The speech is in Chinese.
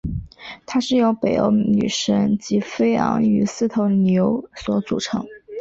它是由北欧女神吉菲昂与四头牛所组成。